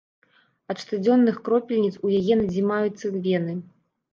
Ад штодзённых кропельніц у яе надзімаюцца вены.